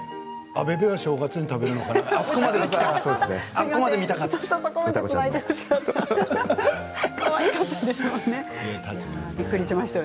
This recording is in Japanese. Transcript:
アベベは正月に食べるのかな、あそこまで見たかった。